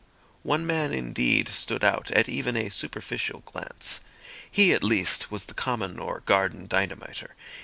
One man indeed stood out at even a superficial glance. He at least was the common or garden Dynamiter.